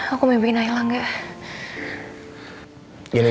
aku mimpiin nailah gak